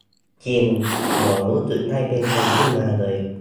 "จริง เหมือนรู้สึกได้เป็นคนขึ้นมาเลย"